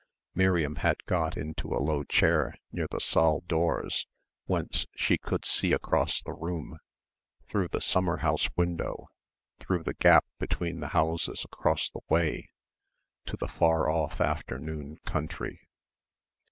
Miriam had got into a low chair near the saal doors whence she could see across the room through the summer house window through the gap between the houses across the way to the far off afternoon country.